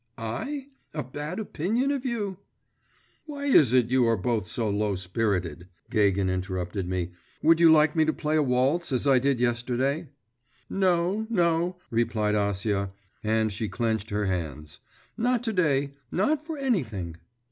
'I? a bad opinion of you!…' 'Why is it you are both so low spirited,' Gagin interrupted me 'would you like me to play a waltz, as I did yesterday?' 'No, no,' replied Acia, and she clenched her hands; 'not to day, not for anything!